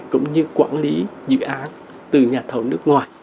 cũng như quản lý dự án từ nhà thầu